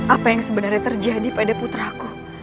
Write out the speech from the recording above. apa yang sebenarnya terjadi pada putraku